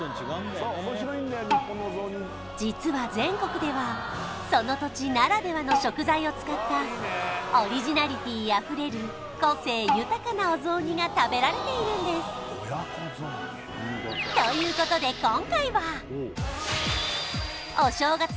実は全国ではその土地ならではの食材を使ったオリジナリティーあふれる個性豊かなお雑煮が食べられているんですということで今回は！